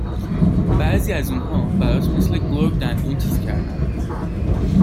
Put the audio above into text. بعضی از اون ها برات مثل گرگ دندون تیز کردن